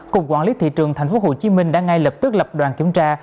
cục quản lý thị trường thành phố hồ chí minh đã ngay lập tức lập đoàn kiểm tra